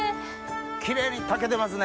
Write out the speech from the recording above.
キレイに炊けてますね。